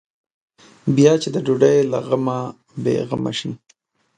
بیا چې د ډوډۍ له غمه بې غمه شي.